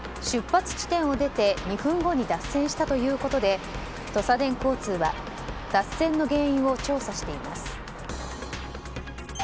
出発地点を出て２分後に脱線したということでとさでん交通は脱線の原因を調査しています。